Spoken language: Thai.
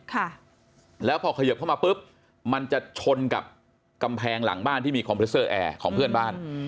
ค่ะแล้วพอเขยิบเข้ามาปุ๊บมันจะชนกับกำแพงหลังบ้านที่มีคอมพิวเซอร์แอร์ของเพื่อนบ้านอืม